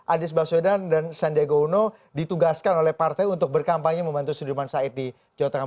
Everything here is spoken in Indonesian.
anies baswedan dan sandiaga uno ditugaskan oleh partai untuk berkampanye membantu sudirman said di jawa tengah